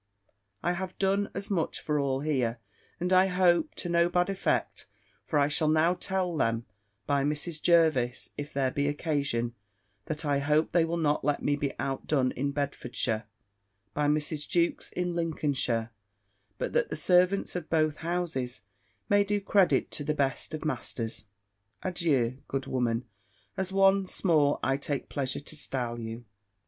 I have done as much for all here: and, I hope, to no bad effect: for I shall now tell them, by Mrs. Jervis, if there be occasion, that I hope they will not let me be out done in Bedfordshire, by Mrs. Jewkes in Lincolnshire; but that the servants of both houses may do credit to the best of masters. Adieu, good woman; as once more I take pleasure to style you."